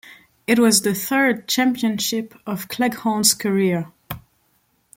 It was the third championship of Cleghorn's career.